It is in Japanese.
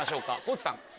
地さん。